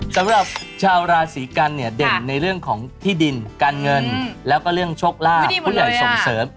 สำหรับชาวราศีกันเนี่ยเด่นในเรื่องของที่ดินการเงินแล้วก็เรื่องโชคลาภผู้ใหญ่ส่งเสริม